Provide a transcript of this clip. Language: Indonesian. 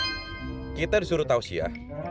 nih kita disuruh tau sih ya